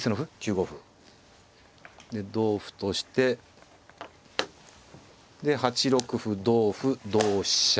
９五歩。で同歩としてで８六歩同歩同飛車。